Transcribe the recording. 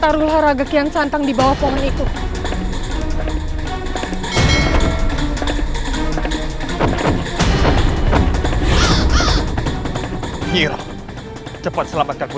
kamu ring aman aman ambil obat atu